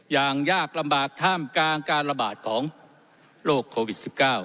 ยากลำบากท่ามกลางการระบาดของโรคโควิด๑๙